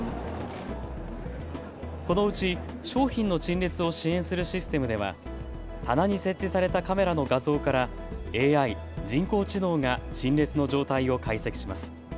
このうち商品の陳列を支援するシステムでは棚に設置されたカメラの画像からＡＩ・人工知能が陳列の状態を解析します。